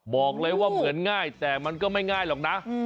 บอกเลยว่าเหมือนง่ายแต่มันก็ไม่ง่ายหรอกนะ